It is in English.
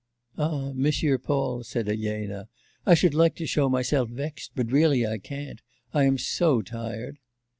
'Ah, Monsieur Paul,' said Elena, 'I should like to show myself vexed, but really I can't. I am so tired.